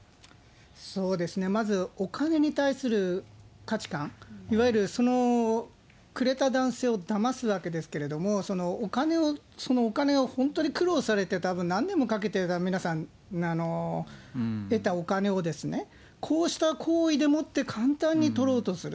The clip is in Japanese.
そうですね、まずお金に対する価値観、いわゆるそのくれた男性をだますわけですけれども、お金を本当に苦労されて、たぶん何年もかけて、皆さん、得たお金をですね、こうした行為でもって、簡単にとろうとする。